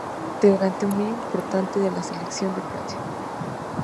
Es un integrante muy importante de la selección de Francia.